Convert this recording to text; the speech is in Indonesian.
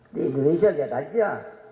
di indonesia lihat saja